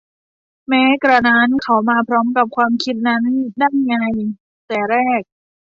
แม้กระนั้น เขามาพร้อมกับความคิดนั้นได้ยังไงแต่แรก